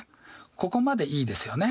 ここまでいいですよね。